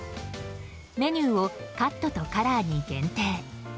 メニューをカットとカラーに限定。